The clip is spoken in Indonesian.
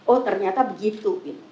oh ternyata begitu